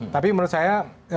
tapi menurut saya